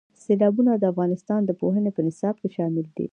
سیلابونه د افغانستان د پوهنې په نصاب کې شامل دي.